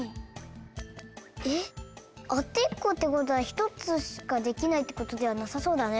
えっあてっこってことはひとつしかできないってことではなさそうだね。